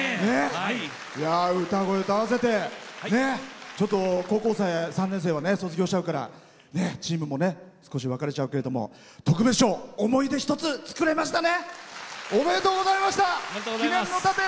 歌声と合わせてちょっと高校生３年生は卒業しちゃうけどチームも少し別れちゃうけれども特別賞、思い出、一つ作れましたね。